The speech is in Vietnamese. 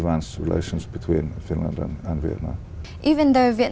bạn có thể chia sẻ với chúng tôi về người việt